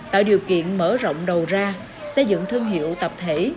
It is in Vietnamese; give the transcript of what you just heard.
tạo điều kiện mở rộng đầu ra xây dựng thương hiệu tập thể